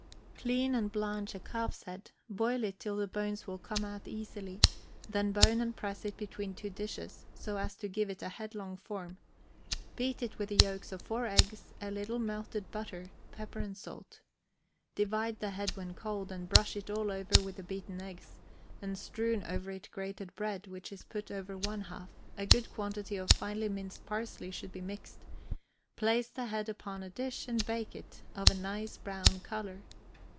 Clean and blanch a calf's head, boil it till the bones will come out easily, then bone and press it between two dishes, so as to give it a headlong form; beat it with the yolks of four eggs, a little melted butter, pepper and salt. Divide the head when cold, and brush it all over with the beaten eggs, and strew over it grated bread, which is put over one half; a good quantity of finely minced parsley should be mixed; place the head upon a dish, and bake it of a nice brown color.